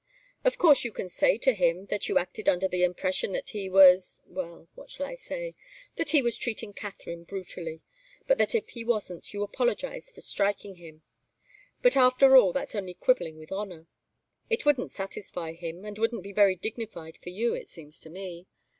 Of course you can say to him that you acted under the impression that he was well what shall I say? that he was treating Katharine brutally, but that if he wasn't, you apologize for striking him. But after all, that's only quibbling with honour. It wouldn't satisfy him and wouldn't be very dignified for you, it seems to me.